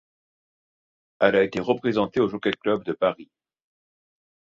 Elle a été représentée au Jockey Club de Paris.